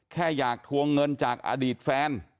แค่อยากทวงเงินจากอดีตแฟน